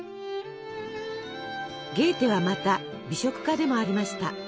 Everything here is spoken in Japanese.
ゲーテはまた美食家でもありました。